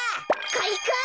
かいか！